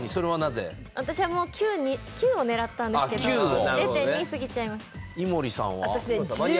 私は９を狙ったんですけど０．２過ぎちゃいました。